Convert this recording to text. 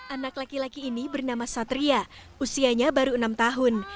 anak laki laki ini bernama satria usianya baru enam tahun